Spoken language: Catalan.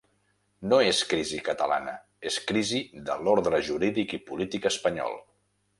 No és crisi catalana, és crisi de l'ordre jurídic i polític espanyol.